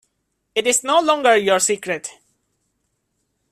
It is no longer your secret.